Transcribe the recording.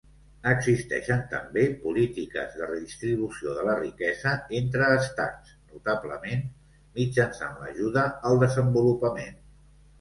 Existeixen també polítiques de redistribució de la riquesa entre estats, notablement mitjançant l'ajuda al desenvolupament.